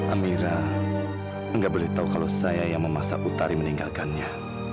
amira nggak boleh tahu kalau saya yang memaksa putari meninggalkannya